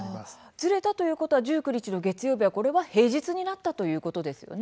ずれたということは１９日の月曜日は平日になったということですね。